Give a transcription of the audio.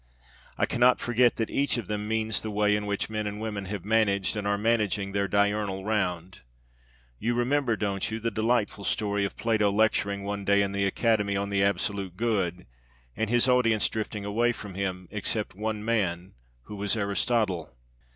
I cannot forget that each of them means the way in which men and women have managed and are managing their diurnal round. You remember, don't you, the delightful story of Plato lecturing one day in the Academy on the Absolute Good, and his audience drifting away from him except one man who was Aristotle?